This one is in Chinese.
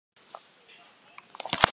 主演暴坊将军。